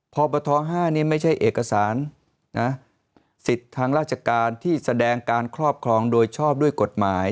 พบท๕นี่ไม่ใช่เอกสารสิทธิ์ทางราชการที่แสดงการครอบครองโดยชอบด้วยกฎหมาย